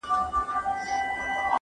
ته وایه و تیارو لره ډېوې لرې که نه,